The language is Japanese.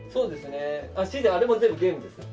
あれも全部ゲームです。